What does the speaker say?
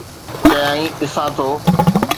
چيائين: ڏسان ٿو.